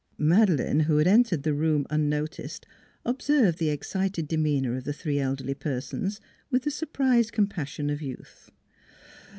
Madeleine, who had entered the room unno ticed, observed the excited demeanor of the three elderly persons, with the surprised compassion of youth.